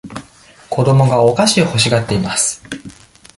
子供がお菓子を欲しがっています。